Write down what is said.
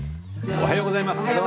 おはようございます。